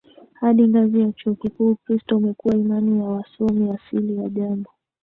hadi ngazi ya chuo kikuu Ukristo umekuwa imani ya wasomi Asili ya jambo